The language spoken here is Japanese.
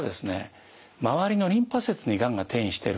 周りのリンパ節にがんが転移してるかもしれない。